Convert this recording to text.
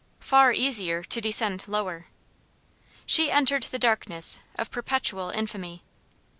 Far easier to descend lower. She entered the darkness of perpetual infamy.